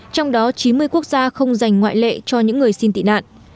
trong đó chín mươi quốc gia không dành ngoại lệ cho những người xin tị nạn